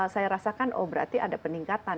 saya rasakan oh berarti ada peningkatan